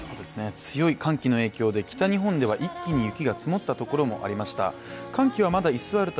強い寒気の影響で北日本では一気に雪が積もったところもありました。